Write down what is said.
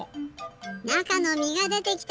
なかのみがでてきた！